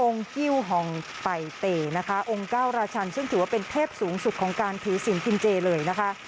องค์เก้าราชันซึ่งถือว่าเป็นเป็นเทพสูงสุขของการถือสินกินเจเลยนะคะ